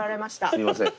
すいません。